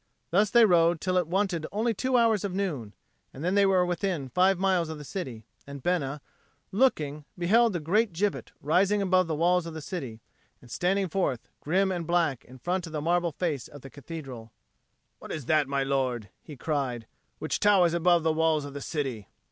Thus they rode till it wanted only two hours of noon; and then they were within five miles of the city, and Bena, looking, beheld the great gibbet rising above the walls of the city and standing forth grim and black in front of the marble face of the Cathedral. "What is that, my lord," he cried, "which towers above the walls of the city?"